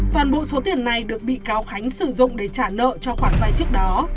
toàn bộ số tiền này được bị cáo khánh sử dụng để trả nợ cho khoản vai trước đó